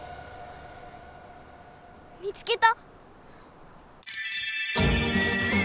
見つけた！